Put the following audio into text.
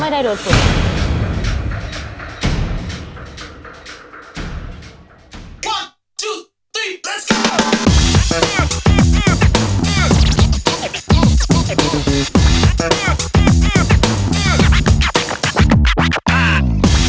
ไม่ได้โดนปลด